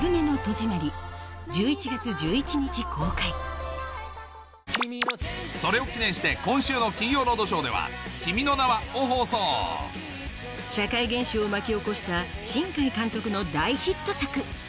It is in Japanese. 最新作それを記念して今週の『金曜ロードショー』では『君の名は。』を放送社会現象を巻き起こした新海監督の大ヒット作